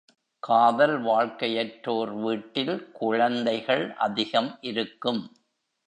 காதல் வாழ்க்கையற்றோர் வீட்டில் குழந்தைகள் அதிகம் இருக்கும்.